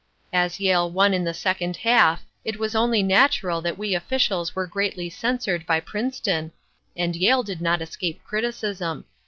As Yale won in the second half it was only natural that we officials were greatly censored by Princeton, and Yale did not escape criticism.